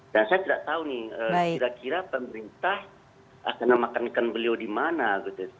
dan saya tidak tahu nih kira kira pemerintah akan memakamkan beliau di mana gitu